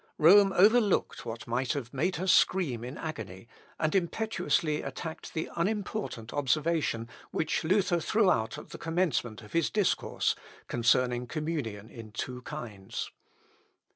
Rome overlooked what might have made her scream in agony, and impetuously attacked the unimportant observation which Luther threw out at the commencement of his discourse, concerning communion in two kinds.